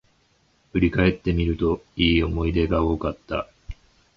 振り返ってみると、良い思い出が多かった